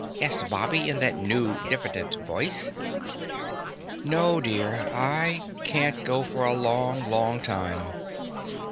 asked Bobby in that new, diffident voice. "No, dear. I can't go for a long, long time."